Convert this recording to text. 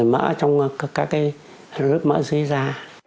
mỡ trong các nước mỡ dưới da